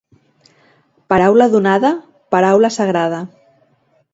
Paraula donada, paraula sagrada.